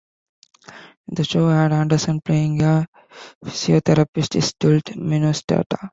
The show had Anderson playing a psychotherapist in Duluth, Minnesota.